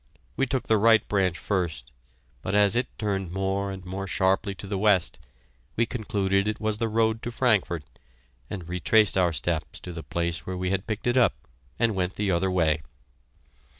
We took the right branch first, but as it turned more and more sharply to the west, we concluded it was the road to Frankfort, and retraced our steps to the place where we had picked it up, and went the other way.